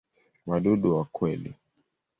Wadudu wa kweli.